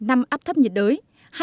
năm áp thấp nhiệt đới